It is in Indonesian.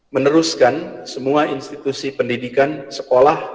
meneruskan semua institusi pendidikan sekolah